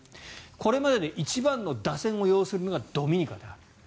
これまでで一番の打線を擁するのがドミニカである。